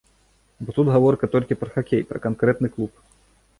Бо тут гаворка толькі пра хакей, пра канкрэтны клуб.